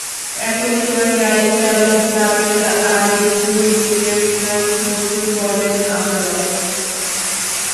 একই সময় গাড়ি চালক জাবেদ আলীর দুই দিনের রিমান্ড মঞ্জুর করেন আদালত।